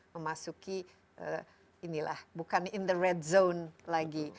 memasuki inilah bukan in the red zone lagi